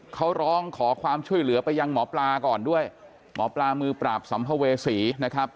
เขาร้องขอความช่วยเหลือไปยังหมอปลาก่อนด้วยหมอปลามือปราบสัมภเวษีนะครับ